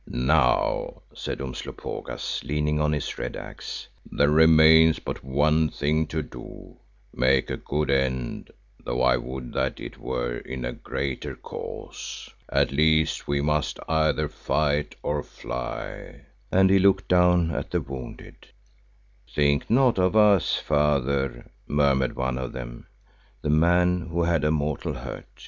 "Now," said Umslopogaas, leaning on his red axe, "there remains but one thing to do, make a good end, though I would that it were in a greater cause. At least we must either fight or fly," and he looked down at the wounded. "Think not of us, Father," murmured one of them, the man who had a mortal hurt.